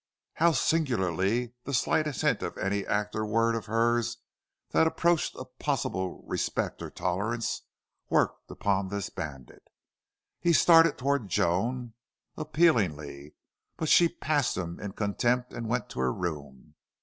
How singularly the slightest hint of any act or word of hers that approached a possible respect or tolerance worked upon this bandit! He started toward Joan appealingly, but she passed him in contempt and went to her room.